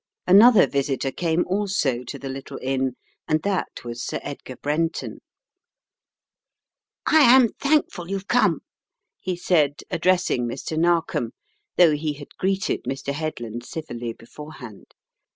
Another visitor came also to the little inn, and that was Sir Edgar Brenton. "I am thankful you've come," he said, addressing Mr. Narkom, though he had greeted Mr. Headland civilly beforehand.